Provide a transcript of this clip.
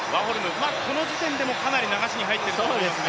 この時点でもかなり流しに入っていますが。